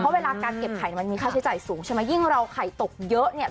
เพราะเวลาการเก็บไข่มันมีค่าใช้จ่ายสูงใช่ไหมยิ่งเราไข่ตกเยอะเนี่ย